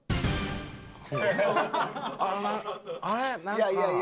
いやいやいやいや。